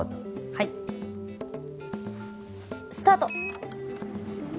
はいスタート